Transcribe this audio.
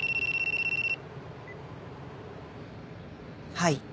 はい。